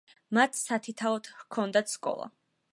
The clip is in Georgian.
მათ სათითაოდ ჰქონდათ სკოლა.